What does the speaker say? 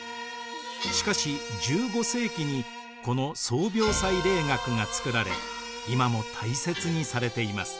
しかし１５世紀にこの宗廟祭礼楽が作られ今も大切にされています。